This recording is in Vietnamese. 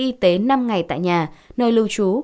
y tế năm ngày tại nhà nơi lưu trú